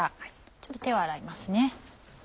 ちょっと手を洗いますね。